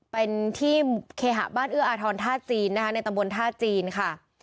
เป็นที่เคหะบ้านเอื้ออาทรท่าจีนนะคะในตำบลท่าจีนค่ะ